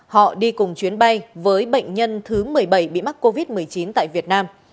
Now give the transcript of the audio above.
họ đi cùng chuyến bay với bệnh nhân thứ một mươi bảy bị mắc covid một mươi chín tại việt nam